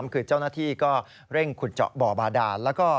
คือเจ้าหน้าที่ก็เร่งขุดเจาะบ่อบาดาน